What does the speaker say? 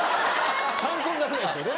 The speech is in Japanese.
参考にならないですよね。